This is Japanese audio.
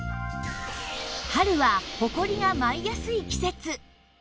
春はホコリが舞いやすい季節